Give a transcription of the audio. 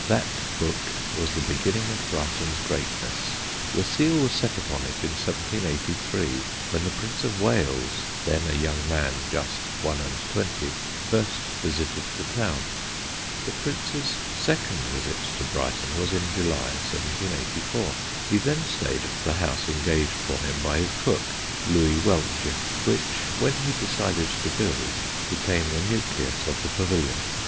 That book was the beginning of Brighton's greatness. The seal was set upon it in 1783, when the Prince of Wales, then a young man just one and twenty, first visited the town. [Sidenote: LE PRINCE S'AMUSE] The Prince's second visit to Brighton was in July 1784. He then stayed at the house engaged for him by his cook, Louis Weltje, which, when he decided to build, became the nucleus of the Pavilion.